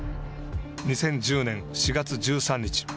２０１０年４月１３日。